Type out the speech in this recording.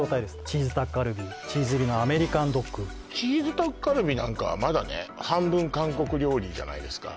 チーズタッカルビチーズ入りのアメリカンドッグチーズタッカルビなんかはまだねじゃないですか